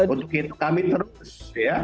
untuk itu kami terus ya